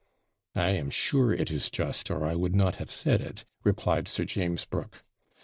'I am sure it is just, or I would not have said it,' replied Sir James Brooke.